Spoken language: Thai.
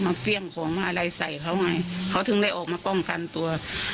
เครื่องของมาอะไรใส่เขาไงเขาถึงได้ออกมาป้องกันตัว